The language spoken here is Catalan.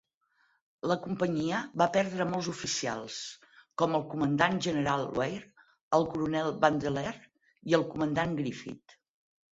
La Companyia va perdre molts oficials, com el comandant general Weir, el coronel Vandeleur i el comandant Griffith.